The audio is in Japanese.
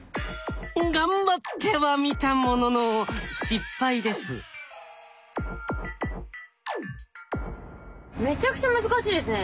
頑張ってはみたもののめちゃくちゃ難しいですね。